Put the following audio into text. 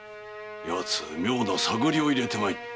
奴妙な探りを入れてまいった。